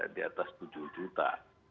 di atas tujuh juta